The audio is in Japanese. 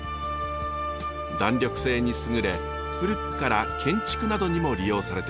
弾力性に優れ古くから建築などにも利用されてきました。